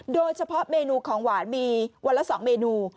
โดยเฉพาะเมนูของหวานมีวันละ๒เมนู